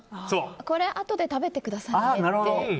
これあとで食べてくださいねって。